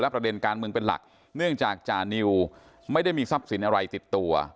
ประเด็นการเมืองเป็นหลักเนื่องจากจานิวไม่ได้มีทรัพย์สินอะไรติดตัว